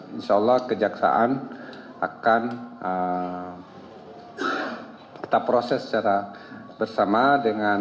insya allah kejaksaan akan kita proses secara bersama dengan